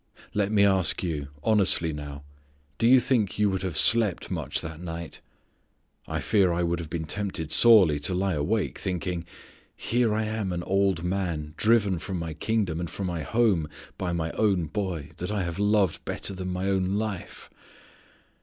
Let me ask you, honestly now; do you think you would have slept much that night? I fear I would have been tempted sorely to lie awake thinking: "here I am, an old man, driven from my kingdom, and my home, by my own boy, that I have loved better than my own life."